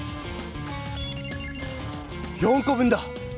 ４こ分だ！